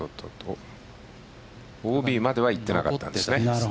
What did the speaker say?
ＯＢまではいってなかったんですね。